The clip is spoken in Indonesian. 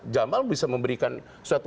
jamal bisa memberikan suatu